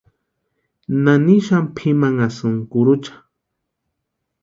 ¿Nani xani pʼimanhasïnki kurucha?